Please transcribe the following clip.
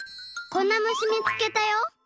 こんな虫みつけたよ！